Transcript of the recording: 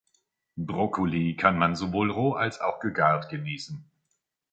Brokkoli kann man sowohl roh als auch gegart genießen.